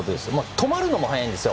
止まるのも速いんですよ。